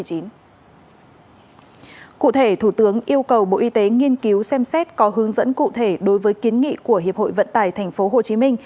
cụ thể thủ tướng yêu cầu bộ y tế nghiên cứu xem xét có hướng dẫn cụ thể đối với kiến nghị của hiệp hội vận tải tp hcm